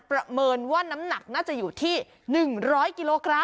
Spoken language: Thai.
ประเมินว่าน้ำหนักน่าจะอยู่ที่๑๐๐กิโลกรัม